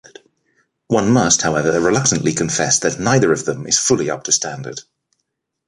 One must, however, reluctantly confess that neither of them is fully up to standard.